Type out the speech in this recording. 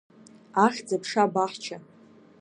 Ахьӡ-аԥша абаҳча…